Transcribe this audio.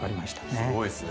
すごいですね。